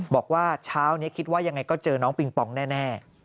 บอกว่าเช้านี้คิดว่ายังไงก็เจอน้องปิงปองแน่